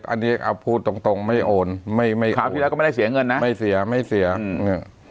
อันนี้เอาพูดตรงตรงไม่โอนไม่ไม่คราวที่แล้วก็ไม่ได้เสียเงินนะไม่เสียไม่เสียอืม